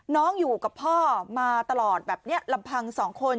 น้องอยู่กับพ่อมาตลอดแบบเนี่ยลำพัง๒คน